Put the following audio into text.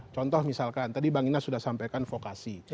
contoh misalkan tadi bang inas sudah sampaikan vokasi